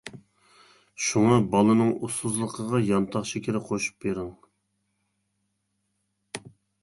شۇڭا بالىنىڭ ئۇسسۇزلۇقىغا يانتاق شېكىرى قوشۇپ بېرىڭ.